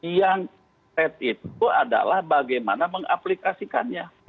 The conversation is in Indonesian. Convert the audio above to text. yang set itu adalah bagaimana mengaplikasikannya